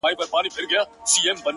• د ریا پر خلوتونو به یرغل وي ,